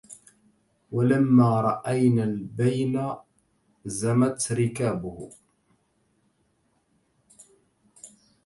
ولما رأين البين زمت ركابه